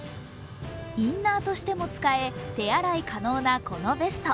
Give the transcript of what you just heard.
インナーとしても使え、手洗い可能なこのベスト。